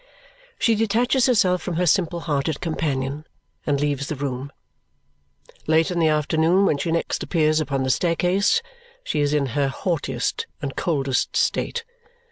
She detaches herself from her simple hearted companion and leaves the room. Late in the afternoon, when she next appears upon the staircase, she is in her haughtiest and coldest state.